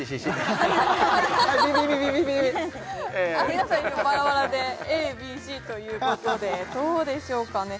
皆さんバラバラでＡＢＣということでどうでしょうかね